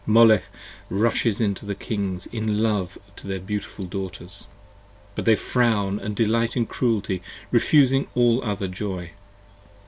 Molech rushes into the Kings in love to the beautiful Daughters, But they frown & delight in cruelty, refusing all other joy.